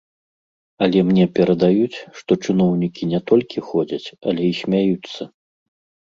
Але мне перадаюць, што чыноўнікі не толькі ходзяць, але і смяюцца.